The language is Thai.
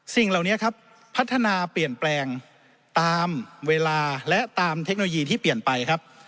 สิ่งเหล่านี้ครับพัฒนาเปลี่ยนแปลงตามเวลาและตามเทคโนโลยีที่เปลี่ยนไปครับ